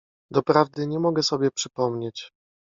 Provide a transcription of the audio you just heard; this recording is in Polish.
Doprawdy nie mogę sobie przypomnieć…